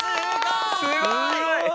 すごい！